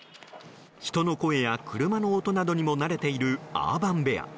人の声や車の音などにも慣れているアーバン・ベア。